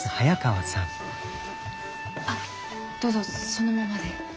あっどうぞそのままで。